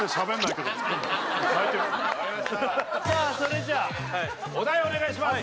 さあそれじゃあお題お願いします